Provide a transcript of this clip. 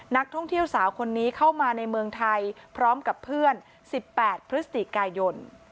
นักท่องเที่ยวสาวคนนี้เข้ามาในเมืองไทยพร้อมกับเพื่อน๑๘พฤศจิกายน